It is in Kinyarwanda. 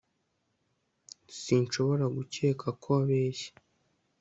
Sinshobora gukeka ko abeshya